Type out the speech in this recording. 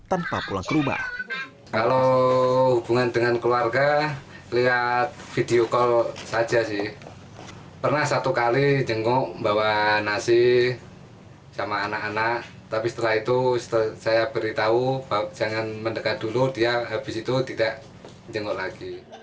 tanpa pulang ke rumah